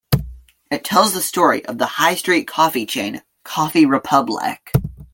It tells the story of the high street coffee chain Coffee Republic.